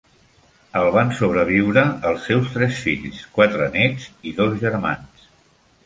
El van sobreviure els seus tres fills, quatre nets i dos germans.